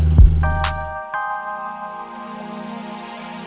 ya udah kita ke tempat ini